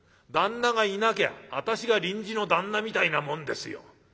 旦那がいなきゃ私が臨時の旦那みたいなもんですよ。